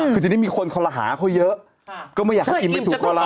คือจะได้มีคนเขาระหาเขาเยอะก็ไม่อยากให้อิ่มไปถูกเขาระหา